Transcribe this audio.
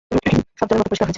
সব জলের মতো পরিষ্কার হয়েছে?